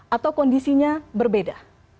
atau kondisinya berbeda